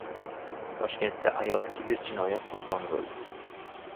Toshkentda ayol kiberjinoyat qurboni bo‘ldi